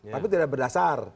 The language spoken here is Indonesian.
tapi tidak berdasar